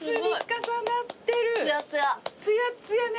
つやっつやね。